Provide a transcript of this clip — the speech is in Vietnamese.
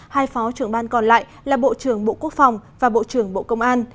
hai phó trưởng ban còn lại là bộ trưởng bộ quốc phòng và bộ trưởng bộ công an